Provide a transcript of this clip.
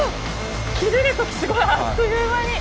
切れる時すごいあっという間に！